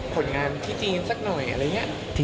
ผลงานที่จีนสักหน่อยอะไรอย่างนี้